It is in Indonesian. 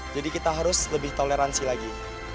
jadi kita harus lebih toleransi lagi